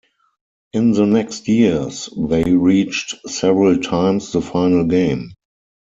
In the next years, they reached several times the final game.